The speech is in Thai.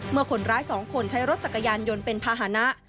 เมื่อคนร้าย๒คนใช้รถจักรยานยนต์เป็นภาษณะ